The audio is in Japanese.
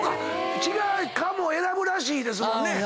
蚊も選ぶらしいですもんね。